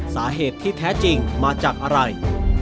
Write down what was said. สาเหตุที่แท้จริงมาจากอะไร